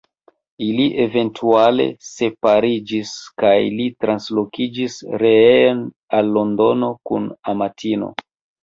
Ili eventuale separiĝis kaj li translokiĝis reen al Londono kun amatino.